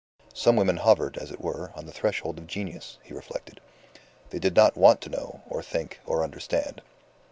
Some women hovered, as it were, on the threshold of genius, he reflected. They did not want to know, or think, or understand.